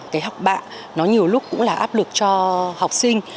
cái học bạ nó nhiều lúc cũng là áp lực cho học sinh